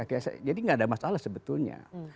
iya jadi tidak ada masalah sebetulnya